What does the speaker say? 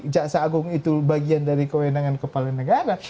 jaksa agung itu bagian dari kewenangan kepala negara